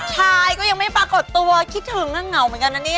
ชายก็ยังไม่ปรากฏตัวคิดถึงเหงาเหมือนกันนะเนี่ย